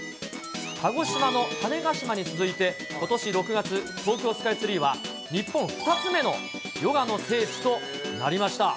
鹿児島の種子島に続いてことし６月、東京スカイツリーは、日本２つ目のヨガの聖地となりました。